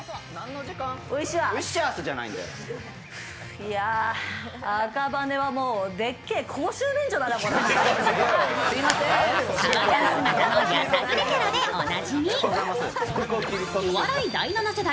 いや、赤羽はでっけえ公衆便所だな。